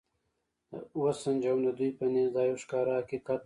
و سنجوم، د دوی په نزد دا یو ښکاره حقیقت و.